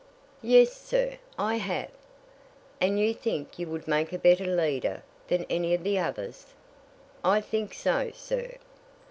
"Yes, sir, I have." "And you think you would make a better leader than any of the others?" "I think so, sir."